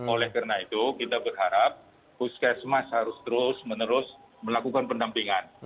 oleh karena itu kita berharap puskesmas harus terus menerus melakukan pendampingan